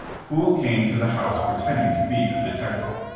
Poole came to the house pretending to be a detective.